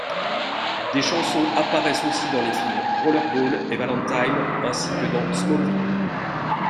Des chansons apparaissent aussi dans les films Rollerball et Valentine, ainsi que dans Smallville.